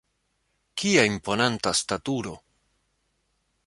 Kia imponanta staturo!